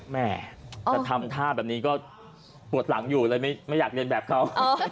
แม่จะทำท่าแบบนี้ก็ปวดหลังอยู่เลยไม่อยากเรียนแบบเขา